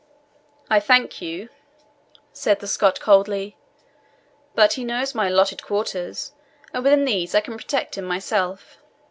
"I thank you," said the Scot coldly; "but he knows my allotted quarters, and within these I can protect him myself.